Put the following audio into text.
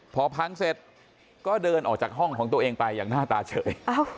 พอพังเสร็จก็เดินออกจากห้องของตัวเองไปอย่างหน้าตาเฉย